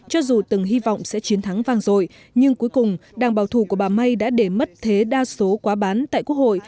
cho dù từng hy vọng sẽ chiến thắng vang dội nhưng cuối cùng đảng bảo thủ của bà may đã để mất thế đa số quá bán tại quốc hội